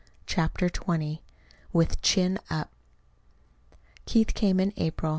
CHAPTER XX WITH CHIN UP Keith came in April.